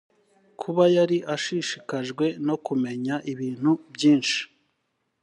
kuba yari ashishikajwe no kumenya ibintu byinshi